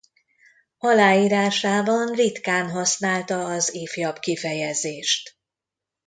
Aláírásában ritkán használta az ifjabb kifejezést.